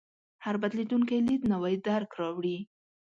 هر بدلېدونکی لید نوی درک راوړي.